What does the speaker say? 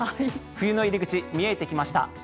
冬の入り口見えてきました。